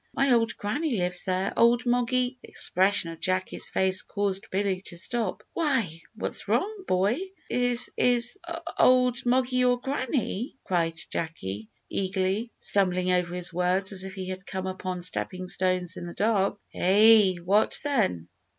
"My old granny lives here; old Moggy " The expression of Jacky's face caused Billy to stop. "Why, what's wrong, boy?" "Is is o old Moggy your granny?" cried Jacky, eagerly, stumbling over his words as if he had come upon stepping stones in the dark. "Ay; what then?"